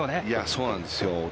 そうなんですよ。